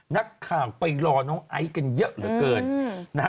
นักข่าวไปรอน้องไอซ์กันเยอะเหลือเกินนะฮะ